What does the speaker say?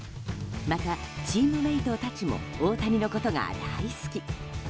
また、チームメートたちも大谷のことが大好き。